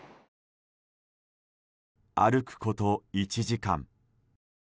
歩くこと、１時間。